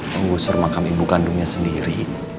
menggusur makam ibu kandungnya sendiri